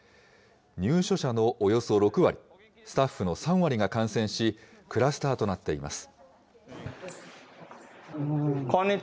入所者のおよそ６割、スタッフの３割が感染し、クラスターとなっています。